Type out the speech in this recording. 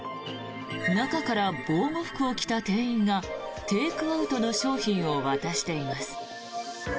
中から防護服を着た店員がテイクアウトの商品を渡しています。